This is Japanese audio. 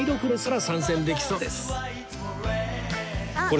これ。